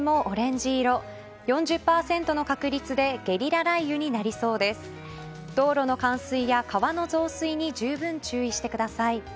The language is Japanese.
道路の冠水や川の増水に十分注意してください。